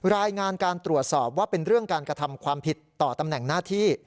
รายงานการตรวจสอบว่าเป็นเรื่องการกระทำความผิดต่อตำแหน่งหน้าที่